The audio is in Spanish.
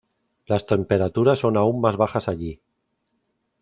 Las temperaturas son aún más bajas allí.